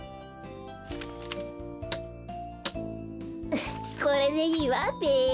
ウフッこれでいいわべ。